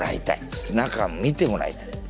そして中見てもらいたい。